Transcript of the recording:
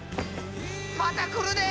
また来るで！